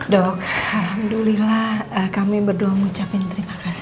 dok alhamdulillah kami berdua mengucapkan terima kasih